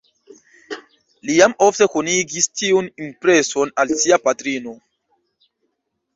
Li jam ofte konigis tiun impreson al sia patrino.